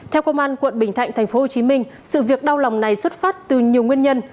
theo công an quận bình thạnh tp hcm sự việc đau lòng này xuất phát từ nhiều nguyên nhân